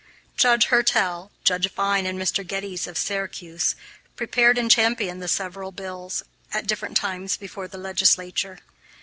Judge Hertell, Judge Fine, and Mr. Geddes of Syracuse prepared and championed the several bills, at different times, before the legislature.